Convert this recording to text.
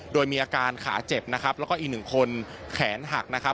โดยมีอาการขาเจ็บนะครับแล้วก็อีกหนึ่งคนแขนหักนะครับ